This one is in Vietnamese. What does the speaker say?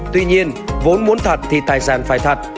tuy nhiên vốn muốn thật thì tài sản phải thật